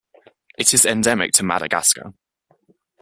It is endemic to Madagascar.